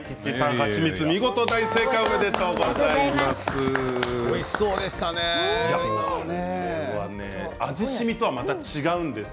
蜂蜜、見事、大正解！おめでとうございます。